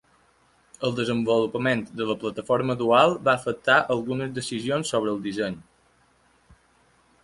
El desenvolupament de la plataforma dual va afectar algunes decisions sobre el disseny.